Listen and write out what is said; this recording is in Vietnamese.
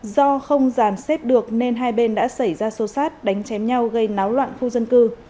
do không giàn xếp được nên hai bên đã xảy ra xô xát đánh chém nhau gây náo loạn khu dân cư